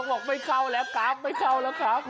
บอกไม่เข้าแล้วกราฟไม่เข้าแล้วครับ